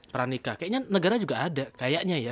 pernikah kayaknya negara juga ada kayaknya ya